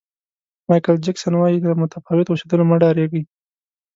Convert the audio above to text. مایکل جکسن وایي له متفاوت اوسېدلو مه ډارېږئ.